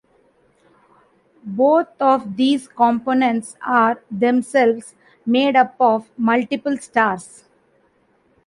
Both of these components are themselves made up of multiple stars.